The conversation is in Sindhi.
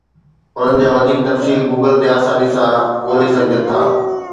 انهن جا وڌيڪ تفصيل گوگل تي آساني سان ڳولي سگهجن ٿا.